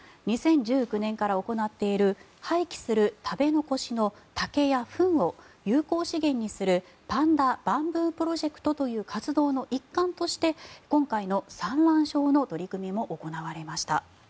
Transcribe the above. ２０１９年から行っている廃棄する食べ残しの竹やフンを有効資源にするパンダバンブープロジェクトという活動の一環として今回、産卵床の取り組みも行われました。